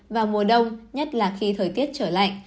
vào mùa đông nhất là khi thời tiết trở lạnh